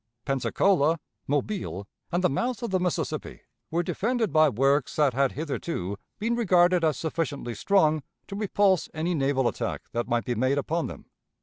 Pensacola, Mobile, and the mouth of the Mississippi were defended by works that had hitherto been regarded as sufficiently strong to repulse any naval attack that might be made upon them.